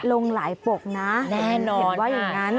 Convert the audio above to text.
ลงหลายปกนะแน่นอนเห็นว่าอย่างนั้น